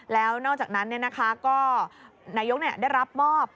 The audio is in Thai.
แล้วนอกจากนั้นก็นายกได้รับมอบ